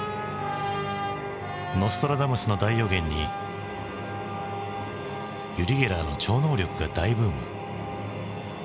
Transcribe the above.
ノストラダムスの大予言にユリ・ゲラーの超能力が大ブーム。